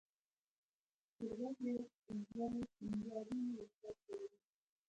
زرګر د زرو سینګاري وسایل جوړوي